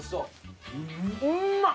うまっ！